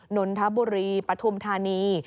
นนทบุรีปฐุมธานี